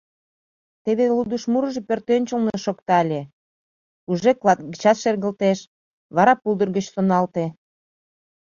Теве лудышмурыжо пӧртӧнчылнӧ шокта ыле, уже клат гычат шергылтеш, вара пулдыр гыч солналте.